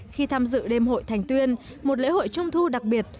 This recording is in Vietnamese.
khi tham dự đêm hội thành tuyên một lễ hội trung thu đặc biệt